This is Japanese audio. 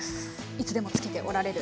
いつでも着けておられる。